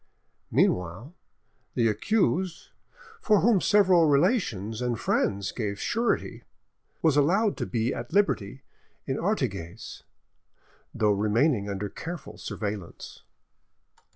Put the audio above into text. Meanwhile, the accused, for whom several relations and friends gave surety, was allowed to be at liberty at Artigues, though remaining under careful surveillance.